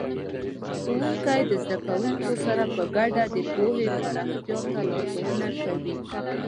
ښوونکي د زده کوونکو سره په ګډه د پوهې پراختیا ته لارښوونه کوي.